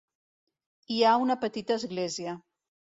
Hi ha una petita església.